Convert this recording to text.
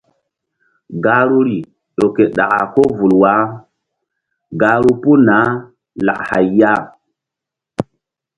Gahruri ƴo ke ɗaka ko vul wah gahru puh naah lak hay ya.